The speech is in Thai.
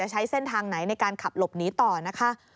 ใช้เส้นทางไหนในการขับหลบหนีต่อนะคะ